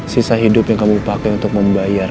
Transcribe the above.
sisa hidup yang kamu pakai untuk membayar